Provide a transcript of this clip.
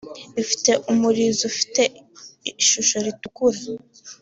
Ifite umurizo ufite ishisho ritukura